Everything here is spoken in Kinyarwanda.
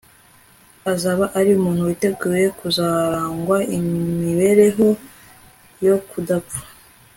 azaba ari umuntu witeguye kuzaragwa imibereho yo kudapfa